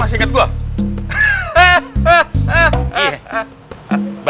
tolong kasih uang ya